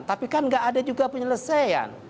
tapi kan nggak ada juga penyelesaian